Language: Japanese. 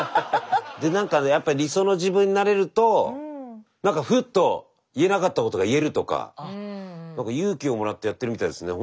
で何かやっぱ理想の自分になれると何かふっと言えなかったことが言えるとか何か勇気をもらってやってるみたいですね。